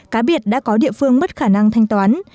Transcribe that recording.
cá biệt đã có địa phương mất khả năng thanh toán